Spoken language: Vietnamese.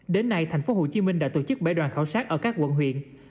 đến nay thành phố hồ chí minh đã tổ chức bảy đoàn khảo sát ở các quận huyện